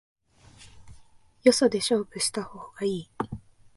よそで勝負した方がいい